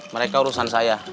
mereka urusan saya